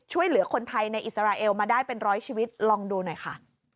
ช่วยเหลือคนไทยในอิสราเอลมาได้เป็นร้อยชีวิตลองดูหน่อยค่ะ